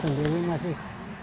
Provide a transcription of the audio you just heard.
kalau apa sendiri masih